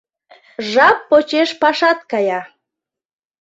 Жап почеш пашат кая.